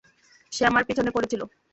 সে আমার পিছনে পড়েছিল।